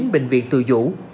bệnh viện từ dũ